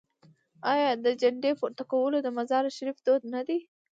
آیا د جنډې پورته کول د مزار شریف دود نه دی؟